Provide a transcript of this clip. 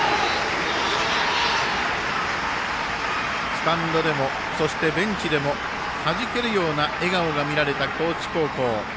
スタンドでもそしてベンチでもはじけるような笑顔が見られた高知高校。